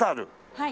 はい。